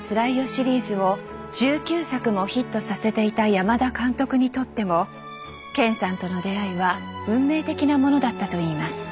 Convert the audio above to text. シリーズを１９作もヒットさせていた山田監督にとっても健さんとの出会いは運命的なものだったといいます。